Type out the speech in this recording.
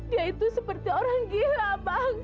dia itu seperti orang gila banget